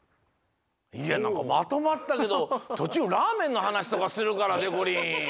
いやなんかまとまったけどとちゅうラーメンのはなしとかするからでこりん。